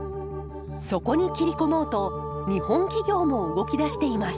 そこに切り込もうと日本企業も動き出しています。